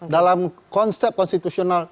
dalam konsep konstitusional